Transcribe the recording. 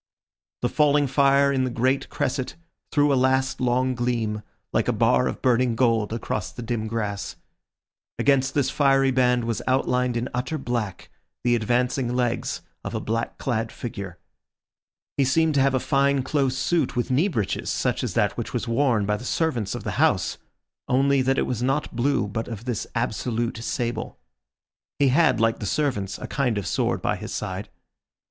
The falling fire in the great cresset threw a last long gleam, like a bar of burning gold, across the dim grass. Against this fiery band was outlined in utter black the advancing legs of a black clad figure. He seemed to have a fine close suit with knee breeches such as that which was worn by the servants of the house, only that it was not blue, but of this absolute sable. He had, like the servants, a kind of sword by his side.